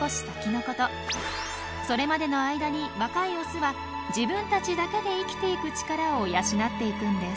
それまでの間に若いオスは自分たちだけで生きてゆく力を養っていくんです。